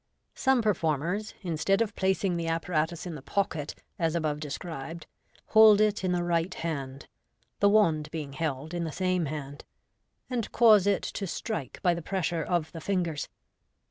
Some performers, instead of placing the apparatus in the pocket, as above described, hold it in the right hand (the wand being held in the same hand) and cause it to strike by the pressure of the ringers.